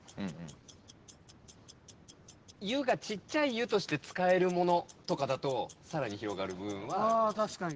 ちっちゃい「ゆ」として使えるものとかだとさらに広がる部分はある。